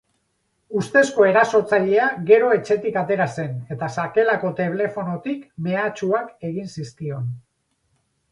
Ustezko erasotzailea gero etxetik atera zen eta sakelako telefonotik mehatxuak egin zizikion.